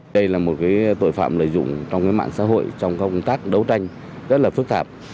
đây là một tội phạm lợi dụng trong mạng xã hội trong công tác đấu tranh rất là phức tạp